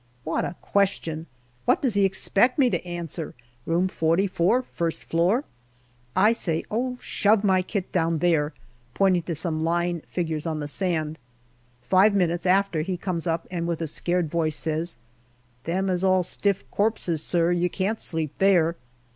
What a question ! What does he expect me to answer " Room 44, first floor "? I say, " Oh, shove my kit down there," pointing to some lying figures on the sand. Five minutes after he comes up, and with a scared voice says, " Them is all stiff corpses, sir ; you can't sleep there."